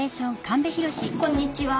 こんにちは。